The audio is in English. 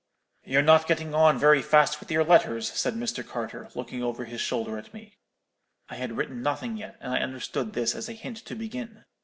"'You're not getting on very fast with your letters,' said Mr. Carter, looking over his shoulder at me. "'I had written nothing yet, and I understood this as a hint to begin.